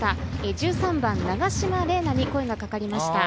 １３番・長嶋玲奈に声がかかりました。